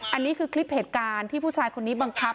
อันนี้คือคลิปเหตุการณ์ที่ผู้ชายคนนี้บังคับ